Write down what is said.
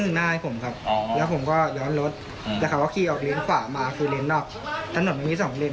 คือผมต่อยกับเขาตัวเขาใหญ่ผมต่อยกับเขาแต่ตอนนั้นยังไม่มีคลิป